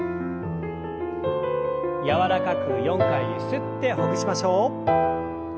柔らかく４回ゆすってほぐしましょう。